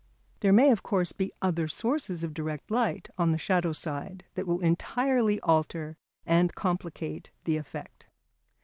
There may, of course, be other sources of direct light on the shadow side that will entirely alter and complicate the effect.